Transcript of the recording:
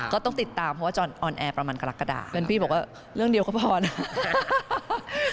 ก็ต้องติดตามเพราะว่าจอนออนแอร์ประมาณกรกฎาเพื่อนพี่บอกว่าเรื่องเดียวก็พอนะ